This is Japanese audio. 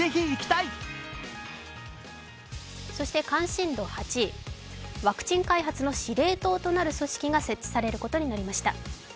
関心度８位、ワクチンかはの司令塔となる組織が設置されることになりました。